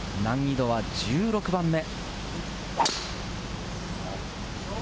難易度は１６番目。